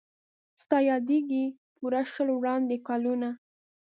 ستا یادیږي پوره شل وړاندي کلونه